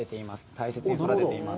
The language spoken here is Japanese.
大切に育てています。